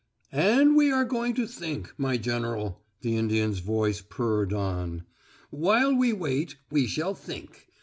"And we are going to think, my General," the Indian's voice purled on. "While we wait we shall think.